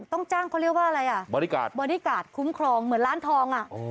ต้องจ้างเขาเรียกว่าอะไรอ่ะบริการบอดี้การ์ดคุ้มครองเหมือนร้านทองอ่ะ